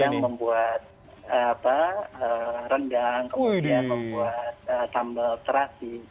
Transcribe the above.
yang membuat rendang kemudian membuat sambal terasi